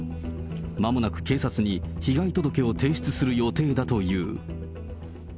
まもなく、警察に被害届を提出する予定だという。